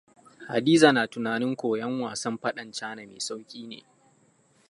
Hadiza na tunanin koyon wasan faɗan cana mai sauki ne.